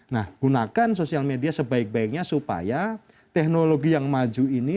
nah gunakan sosial media sebaik baiknya supaya teknologi yang maju ini